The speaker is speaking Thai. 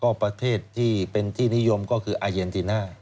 ก็ประเทศที่เป็นที่นิยมก็คืออาเยนติน่า